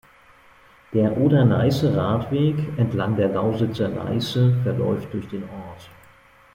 Der "Oder-Neiße-Radweg" entlang der Lausitzer Neiße verläuft durch den Ort.